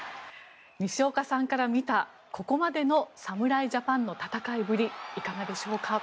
西岡さんから見たここまでの侍ジャパンの戦いぶりはいかがでしょうか。